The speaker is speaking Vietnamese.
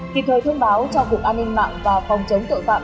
kịp thời thông báo cho cục an ninh mạng và phòng chống tội phạm